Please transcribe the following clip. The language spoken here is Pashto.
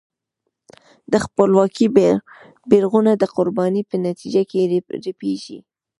د خپلواکۍ بېرغونه د قربانۍ په نتیجه کې رپېږي.